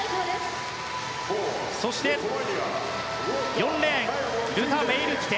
そして４レーンルタ・メイルティテ。